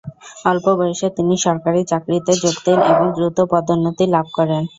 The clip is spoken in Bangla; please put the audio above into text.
অল্প বয়সে তিনি সরকারি চাকরিতে যোগ দেন এবং দ্রুত পদোন্নতি লাভ করে।